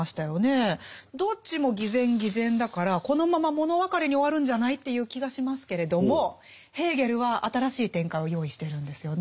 どっちも偽善偽善だからこのまま物別れに終わるんじゃない？という気がしますけれどもヘーゲルは新しい展開を用意してるんですよね。